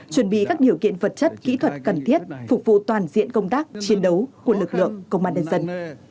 chuẩn bị các điều kiện vật chất kỹ thuật cần thiết phục vụ toàn diện công tác chiến đấu của lực lượng công an nhân dân